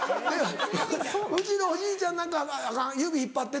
うちのおじいちゃんなんかは「アカン指引っ張って」